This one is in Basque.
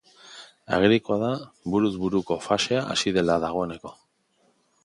Agerikoa da buruz buruko fasea hasi dela dagoeneko.